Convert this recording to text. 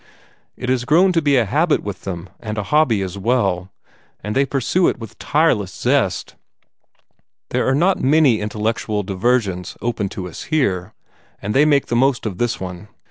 It has grown to be a habit with them, and a hobby as well, and they pursue it with tireless zest. There are not many intellectual diversions open to us here, and they make the most of this one.